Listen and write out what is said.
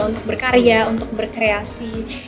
untuk berkarya untuk berkreasi